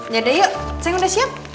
jadi yuk sayang udah siap